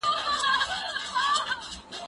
زه اوس شګه پاکوم،